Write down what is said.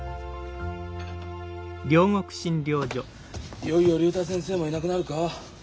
いよいよ竜太先生もいなくなるか。